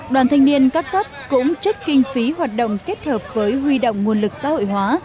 đoàn thanh niên các cấp cũng trích kinh phí hoạt động kết hợp với huy động nguồn lực xã hội hóa